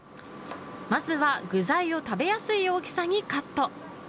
まずは具材を食べやすい大きさにカット。